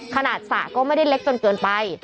สระก็ไม่ได้เล็กจนเกินไป